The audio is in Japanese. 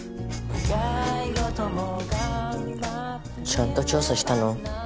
ちゃんと調査したの？